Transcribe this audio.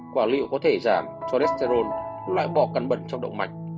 quả liệu có thể giảm cholesterol loại bỏ cắn bẩn trong động mạch